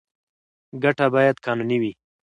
ګټه باید قانوني وي.